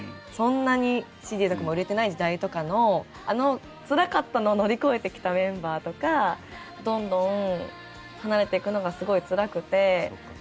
そんなにＣＤとかも売れてない時代とかのあのつらかったのを乗り越えてきたメンバーとかどんどん離れてくのがすごいつらくて。